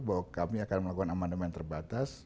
bahwa kami akan melakukan amandemen terbatas